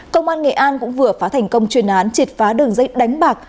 công an nghệ an cũng vừa phá thành công chuyên án triệt phá đường dây đánh bạc